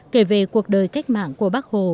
kể về cuộc đời cách mạng của bác hồ